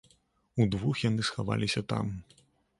Удвух яны схаваліся там.